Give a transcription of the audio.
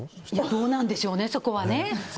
どうなんでしょうね、そこは。